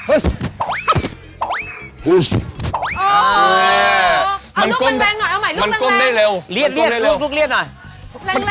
อ๋อเอาลูกเร็งหน่อยเอาใหม่ลูกเร็ง